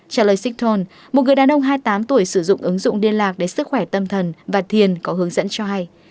trả lời sighton một người đàn ông hai mươi tám tuổi sử dụng ứng dụng liên lạc để sức khỏe tâm thần và thiền có hướng dẫn cho hay